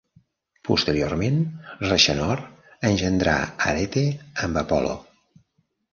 Posteriorment, Rexenor engendrà Arete amb Apolo.